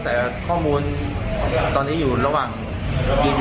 แต่ข้อมูลตอนนี้อยู่ระหว่างกีต์ยานแค่อะ